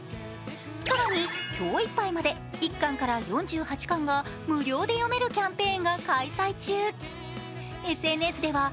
更に今日いっぱいまで１巻から４８巻が無料で読めるキャンペーンが開催中。